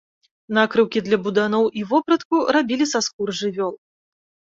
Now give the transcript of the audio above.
Накрыўкі для буданоў і вопратку рабілі са скур жывёл.